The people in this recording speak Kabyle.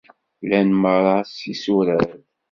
Llan merra s yisurad.